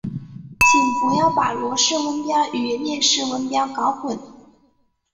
请不要把罗氏温标与列氏温标搞混。